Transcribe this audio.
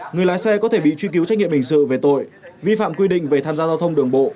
người lái xe có thể bị truy cứu trách nhiệm hình sự về tội vi phạm quy định về tham gia giao thông đường bộ